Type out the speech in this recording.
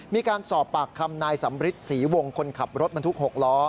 มีการสอบปากคำนายสำริทศรีวงคนขับรถบรรทุก๖ล้อ